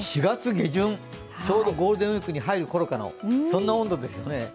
４月下旬、ゴールデンウィークに入るころのそんな温度ですね。